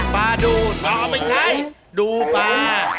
ปลาดูไม่ใช่ดูปลา